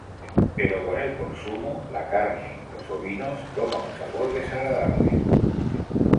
Pero con el consumo, la carne los ovinos toma un sabor desagradable.